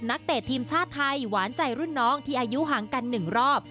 เตะทีมชาติไทยหวานใจรุ่นน้องที่อายุห่างกัน๑รอบ